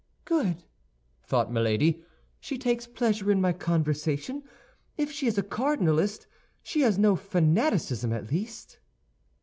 "Good," thought Milady; "she takes a pleasure in my conversation. If she is a cardinalist, she has no fanaticism, at least."